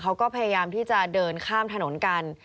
เขาก็พยายามที่จะเดินข้ามถนนกัน